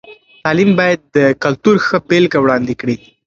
تعلیم باید د کلتور ښه بېلګه وړاندې کړي.